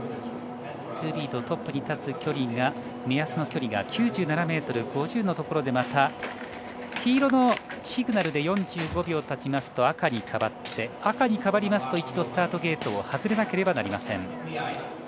ツービート、トップに立つ目安の距離が９７ｍ５０のところでまた、黄色のシグナルで４５秒立ちますと赤に変わって赤に変わりますと一度、スタートゲートを外れなければいけません。